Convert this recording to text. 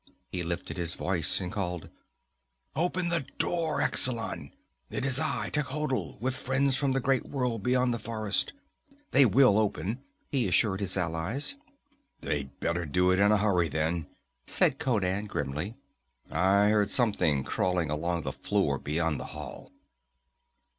He lifted his voice and called: "Open the door, Xecelan! It is I, Techotl, with friends from the great world beyond the forest! They will open," he assured his allies. "They'd better do it in a hurry, then," said Conan grimly. "I hear something crawling along the floor beyond the hall."